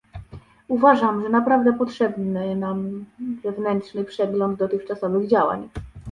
Uważam, że naprawdę potrzebny nam zewnętrzny przegląd dotychczasowych działań